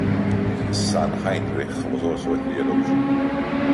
His son Heinrich was also a theologian.